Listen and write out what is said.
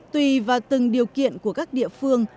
tùy vào từng điều kiện của các địa phương